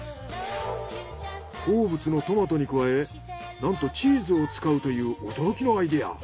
好物のトマトに加えなんとチーズを使うという驚きのアイデア。